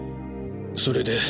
それで。